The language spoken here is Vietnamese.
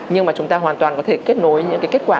nhưng mà chúng ta hoàn toàn có thể kết nối những cái kết quả